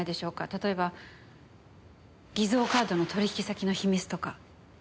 例えば偽造カードの取引先の秘密とか。